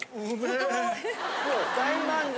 大満足。